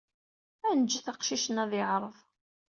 Ad neǧǧet aqcic-nni ad yeɛreḍ.